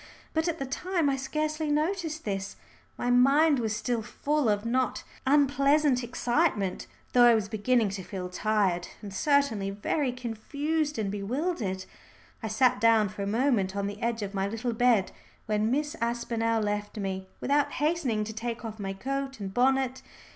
But at the time I scarcely noticed this. My mind was still full of not unpleasant excitement, though I was beginning to feel tired and certainly very confused and bewildered. I sat down for a moment on the edge of my little bed when Miss Aspinall left me, without hastening to take off my coat and bonnet.